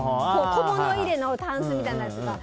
小物入れのタンスみたいなのが。